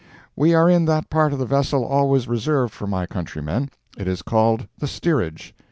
We are in that part of the vessel always reserved for my countrymen. It is called the steerage.